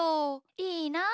いいなあ。